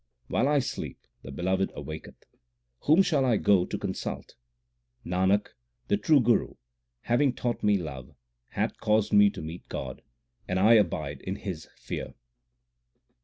While I sleep, the Beloved awaketh ; whom shall I go to consult ? l Nanak, the true Guru, having taught me love, hath caused me to meet God, and 1 abide in His fear.